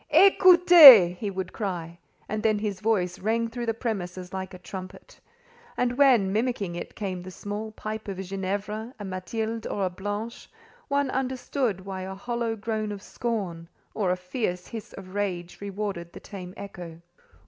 "Ecoutez!" he would cry; and then his voice rang through the premises like a trumpet; and when, mimicking it, came the small pipe of a Ginevra, a Mathilde, or a Blanche, one understood why a hollow groan of scorn, or a fierce hiss of rage, rewarded the tame echo.